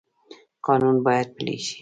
قانون باید پلی شي